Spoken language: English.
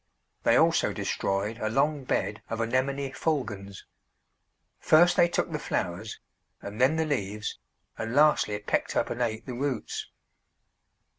They also destroyed a long bed of Anemone fulgens. First they took the flowers, and then the leaves, and lastly pecked up and ate the roots.